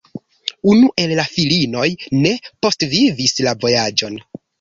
Unu el la filinoj ne postvivis la vojaĝon.